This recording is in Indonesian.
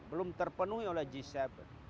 belum terpenuhi oleh g tujuh